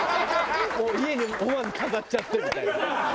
もう家に思わず飾っちゃってみたいな。